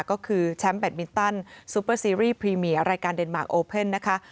ก็คือแชมป์แบตมินตันซูเปอร์ซีรีส์พรีเมียรายการเดนมาร์คโอเพ่นนะคะ